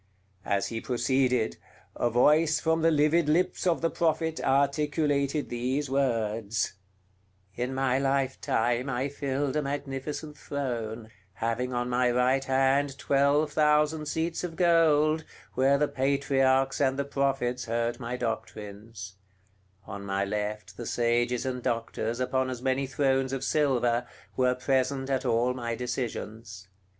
As he proceeded, a voice from the livid lips of the Prophet articulated these words: "In my lifetime I filled a magnificent throne, having on my right hand twelve thousand seats of gold, where the patriarchs and the prophets heard my doctrines; on my left the sages and doctors, upon as many thrones of silver, were present at all my decisions.